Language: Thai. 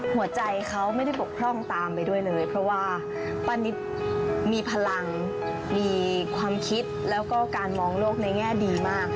หัวใจเขาไม่ได้บกพร่องตามไปด้วยเลยเพราะว่าป้านิตมีพลังมีความคิดแล้วก็การมองโลกในแง่ดีมาก